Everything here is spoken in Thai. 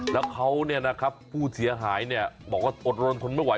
แล้วเขาเนี่ยนะครับผู้เสียหายเนี่ยบอกว่าอดรนคนไม่ไหว